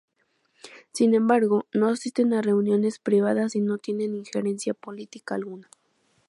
Sin embargo, no asisten a reuniones privadas y no tienen injerencia política alguna.